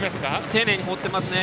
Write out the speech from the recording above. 丁寧に放っていますね。